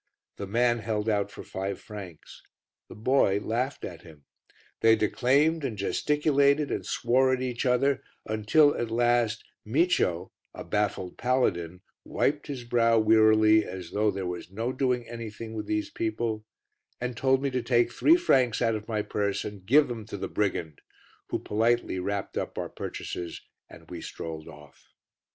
The man held out for five francs. The boy laughed at him. They declaimed and gesticulated and swore at each other until, at last, Micio, a baffled paladin, wiped his brow wearily as though there was no doing anything with these people, and told me to take three francs out of my purse and give them to the brigand, who politely wrapped up our purchases and we strolled off.